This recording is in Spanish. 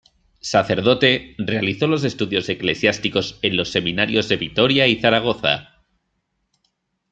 Sacerdote, realizó los estudios eclesiásticos en los Seminarios de Vitoria y Zaragoza.